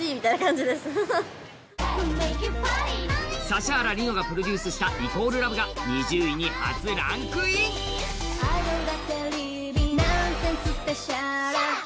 指原莉乃がプロデュースした＝ＬＯＶＥが２０位に初ランクイン。